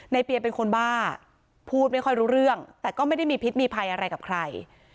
เปียเป็นคนบ้าพูดไม่ค่อยรู้เรื่องแต่ก็ไม่ได้มีพิษมีภัยอะไรกับใคร